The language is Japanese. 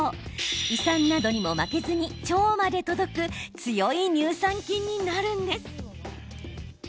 胃酸などにも負けずに腸まで届く強い乳酸菌になるんです。